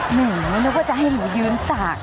เหมือนกันนะก็จะให้หนูยืนตาก